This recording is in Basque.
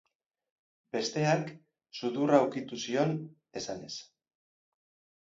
Besteak, sudurra ukitu zion, esanez.